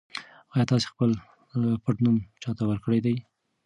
ایا تاسي خپل پټنوم چا ته ورکړی دی؟